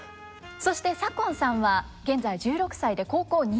そして左近さんは現在１６歳で高校２年生。